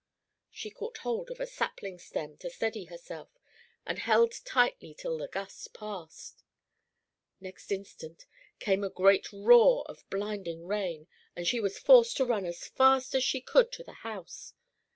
She caught hold of a sapling stem to steady herself, and held tightly till the gust passed. Next instant came a great roar of blinding rain, and she was forced to run as fast as she could to the house.